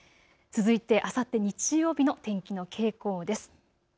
続いてあさって日曜日の天気の傾向です。